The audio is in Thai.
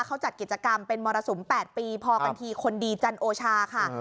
เขาจัดกิจกรรมเป็นมรสุม๘ปีพอกันทีคนดีจันโอชาค่ะ